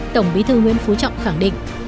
tổng bí thư nguyễn phú trọng khẳng định